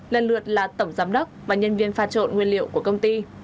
lần lượt là tổng giám đốc và nhân viên pha trộn nguyên liệu của công ty